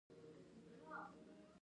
زه د اوبو څښلو ته اړتیا لرم.